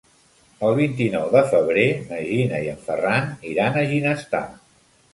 El vint-i-nou de febrer na Gina i en Ferran iran a Ginestar.